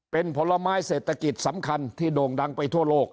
เป็นผลไม้เศรษฐกิจสำคัญที่โด่งดังไปทั่วโลก